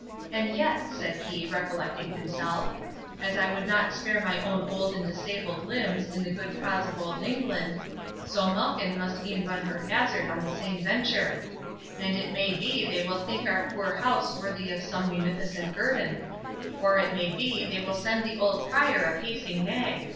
And yet," said he, recollecting himself, "as I would not spare my own old and disabled limbs in the good cause of Old England, so Malkin must e'en run her hazard on the same venture; and it may be they will think our poor house worthy of some munificent guerdon—or, it may be, they will send the old Prior a pacing nag.